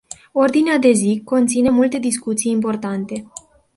Ordinea de zi conține multe discuții importante.